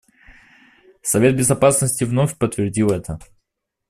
Совет Безопасности вновь подтвердил это.